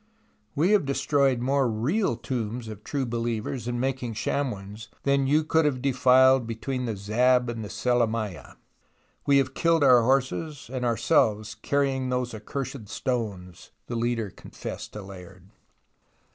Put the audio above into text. We have destroyed more real tombs of true Believers in making sham ones, than you could have defiled between the Zab and Selamiyah. We have killed our horses and ourselves carrying those accursed stones," the leader confessed to Layard.